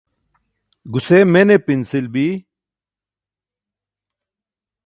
guse mene pinsil bi?